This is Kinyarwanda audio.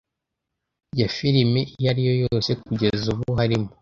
ya firime iyo ari yo yose kugeza ubu, harimo